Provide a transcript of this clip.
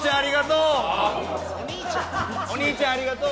お兄ちゃん、ありがとう！